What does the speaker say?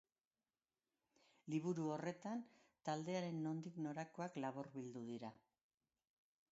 Liburu horretan, taldearen nondik norakoak laburbildu dira.